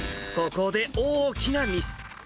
ここで大きなミス。